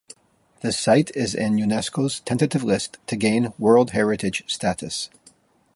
The site is in Unesco's tentative list to gain World Heritage status.